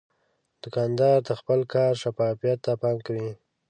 دوکاندار د خپل کار شفافیت ته پام کوي.